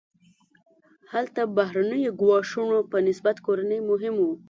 هلته بهرنیو ګواښونو په نسبت کورني مهم وو.